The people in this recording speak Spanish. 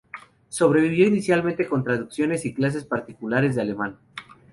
Sobrevivió inicialmente con traducciones y clases particulares de alemán.